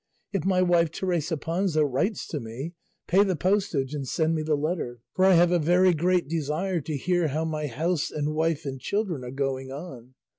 If my wife Teresa Panza writes to me, pay the postage and send me the letter, for I have a very great desire to hear how my house and wife and children are going on.